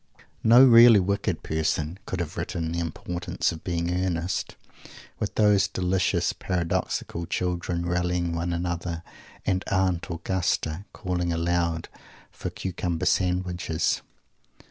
_ No really wicked person could have written "The Importance of Being Earnest," with those delicious, paradoxical children rallying one another, and "Aunt Augusta" calling aloud for cucumber sandwiches!